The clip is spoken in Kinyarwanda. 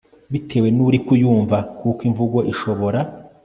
bitewe n'uri kuyumva kuko 'imvugo ishobora